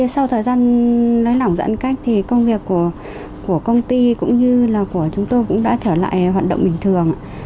sau thời gian nới lỏng giãn cách thì công việc của công ty cũng như là của chúng tôi cũng đã trở lại hoạt động bình thường